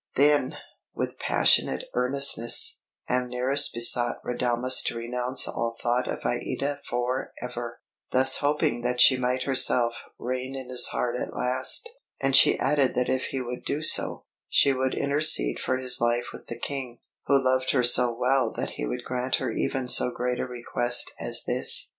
Then, with passionate earnestness, Amneris besought Radames to renounce all thought of Aïda for ever, thus hoping that she might herself reign in his heart at last; and she added that if he would do so, she would intercede for his life with the King, who loved her so well that he would grant her even so great a request as this.